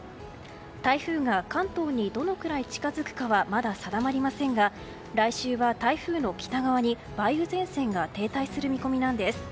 台風が関東にどのくらい近づくかはまだ定まりませんが来週は台風の北側に梅雨前線が停滞する見込みです。